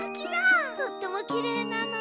とってもきれいなのだ。